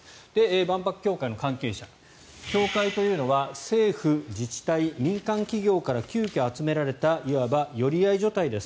万博協会の関係者協会というのは政府、自治体、民間企業から急きょ集められたいわば寄り合い所帯です